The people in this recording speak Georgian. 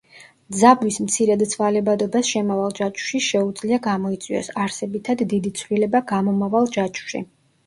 ძაბვის მცირედ ცვალებადობას შემავალ ჯაჭვში შეუძლია გამოიწვიოს არსებითად დიდი ცვლილება გამომავალ ჯაჭვში.